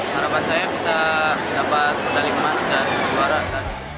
harapan saya bisa dapat mendalim mas dan kejuaraan